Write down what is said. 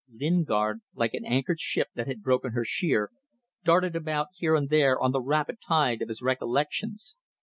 Lingard, like an anchored ship that had broken her sheer, darted about here and there on the rapid tide of his recollections.